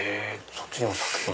そっちにも作品が。